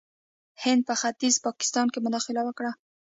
هند په ختیځ پاکستان کې مداخله وکړه.